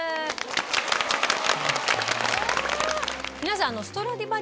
皆さん。